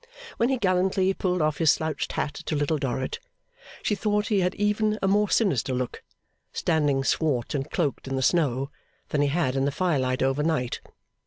When he gallantly pulled off his slouched hat to Little Dorrit, she thought he had even a more sinister look, standing swart and cloaked in the snow, than he had in the fire light over night.